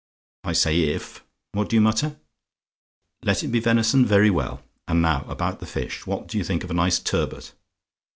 I say if what do you mutter? "LET IT BE VENISON? "Very well. And now about the fish? What do you think of a nice turbot?